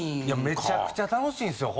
めちゃくちゃ楽しいんですよ